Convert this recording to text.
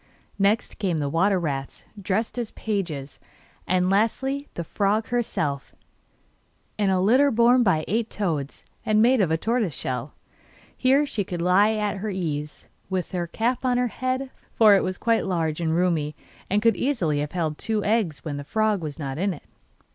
Next came the water rats, dressed as pages, and lastly the frog herself, in a litter borne by eight toads, and made of tortoiseshell. Here she could lie at her ease, with her cap on her head, for it was quite large and roomy, and could easily have held two eggs when the frog was not in it.